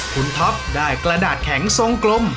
คุณท็อปได้กระดาษแข็งทรงกลม